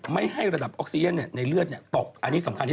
ไม่ให้ระดับออกเซียนละเลือดตก